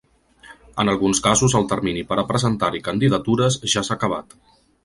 En alguns casos el termini per a presentar-hi candidatures ja s’ha acabat.